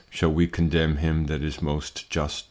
Shall we condemn him that is most just?